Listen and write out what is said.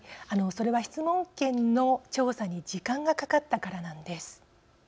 それは、質問権の調査に時間がかかったからなんです。